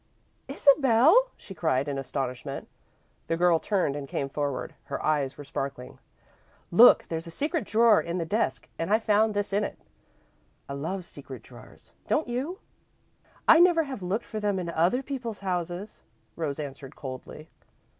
"Isabel!" she cried, in astonishment. The girl turned and came forward. Her eyes were sparkling. "Look! There's a secret drawer in the desk and I found this in it. I love secret drawers, don't you?" "I never have looked for them in other people's houses," Rose answered, coldly.